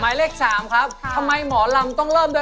หมายเลขสามครับทำไมหมอลำต้องเริ่มด้วย